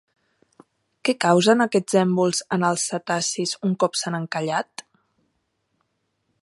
Què causen aquests èmbols en els cetacis un cop s'han encallat?